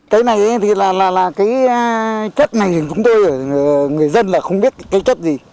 cái này thì là cái chất này chúng tôi người dân là không biết cái chất gì